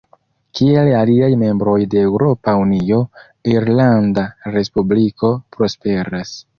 Kiel aliaj membroj de Eŭropa Unio, Irlanda Respubliko prosperas.